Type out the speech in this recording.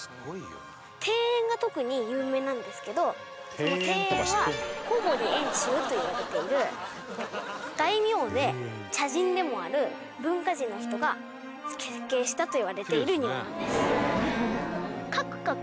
この庭園は小堀遠州といわれている大名で茶人でもある文化人の人が設計したといわれている庭なんです。